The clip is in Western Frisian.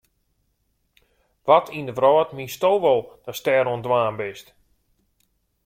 Wat yn de wrâld miensto wol datst dêr oan it dwaan bist?